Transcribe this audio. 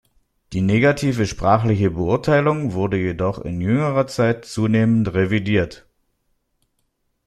Die negative sprachliche Beurteilung wurde jedoch in jüngerer Zeit zunehmend revidiert.